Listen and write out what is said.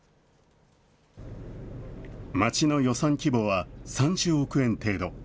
町の予算規模は３０億円程度。